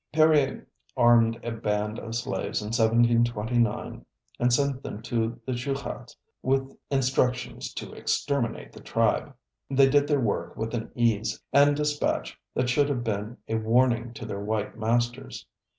Perier armed a band of slaves in 1729 and sent them to the Chouchas with instructions to exterminate the tribe. They did their work with an ease and dispatch that should have been a warning to their white masters.